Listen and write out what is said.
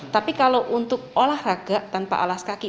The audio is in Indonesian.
tapi kalau untuk olahraga tanpa alas kaki